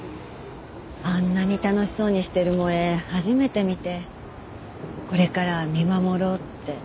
あんなに楽しそうにしてる萌絵初めて見てこれからは見守ろうって。